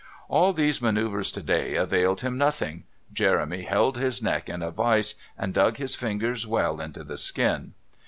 All these manoeuvres to day availed him nothing; Jeremy held his neck in a vice, and dug his fingers well into the skin.